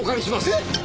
えっ？